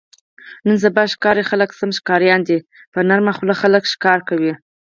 نن سبا ښاري خلک سم ښکاریان دي. په نرمه خوله خلک ښکار کوي.